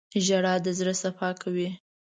• ژړا د زړه صفا کوي.